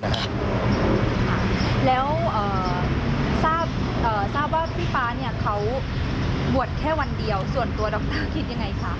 ค่ะแล้วทราบว่าพี่ฟ้าเนี่ยเขาบวชแค่วันเดียวส่วนตัวดรคิดยังไงคะ